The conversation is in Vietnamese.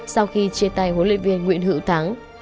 sau khi chia tay huấn luyện viên nguyễn hữu thắng